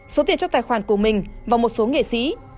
số tiền trong tài khoản của mình và một số nghệ sĩ